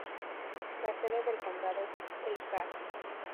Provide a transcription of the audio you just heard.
La sede del condado es Elkhart.